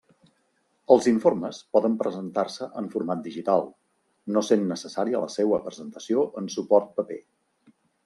Els informes poden presentar-se en format digital, no sent necessària la seua presentació en suport paper.